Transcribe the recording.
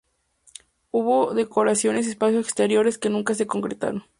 Hubo decoraciones y espacios exteriores que nunca se concretaron.